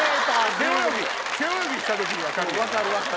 背泳ぎした時に分かるやつ。